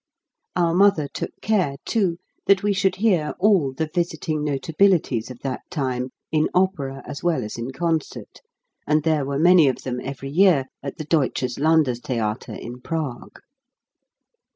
Our mother took care, too, that we should hear all the visiting notabilities of that time in opera as well as in concert; and there were many of them every year at the Deutsches Landestheater in Prague.